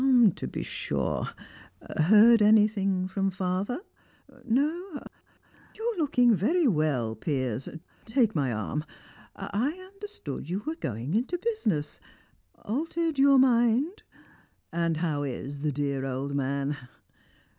"To be sure. Heard anything from father? No? You're looking very well, Piers take my arm. I understood you were going into business. Altered your mind? And how is the dear old man?"